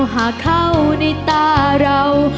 หากเข้าในตาเราหาเข้าในตาเรา